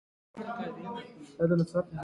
احمد د روې پوست پر مخ غوړولی دی؛ څوک نه شي ور تلای.